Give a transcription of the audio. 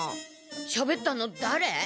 しゃべったのだれ？